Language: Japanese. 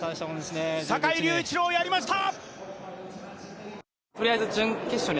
坂井隆一郎、やりました！